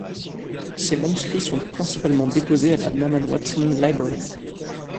Ses manuscrits sont principalement déposés à la Nahman-Watson Library.